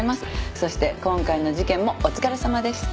そして今回の事件もお疲れさまでした。